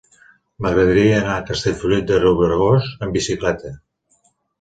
M'agradaria anar a Castellfollit de Riubregós amb bicicleta.